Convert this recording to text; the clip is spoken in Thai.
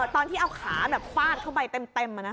ตอนที่เอาขาแบบฟาดเข้าไปเต็ม